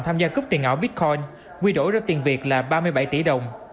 tham gia cướp tiền ảo bitcoin quy đổi ra tiền việc là ba mươi bảy tỷ đồng